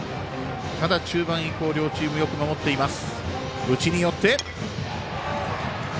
ただ、中盤以降両チーム、よく守っています。